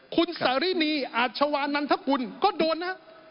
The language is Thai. คุณสารินีอาชวานันทกุลก็โดนนะครับ